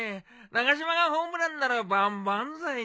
長嶋がホームランなら万々歳だ。